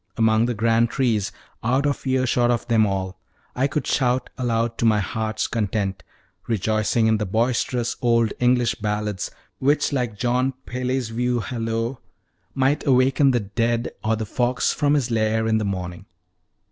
Among the grand trees, out of earshot of them all, I could shout aloud to my heart's content, rejoicing in the boisterous old English ballads, which, like John Peele's view hallo, _"Might awaken the dead Or the fox from his lair in the morning."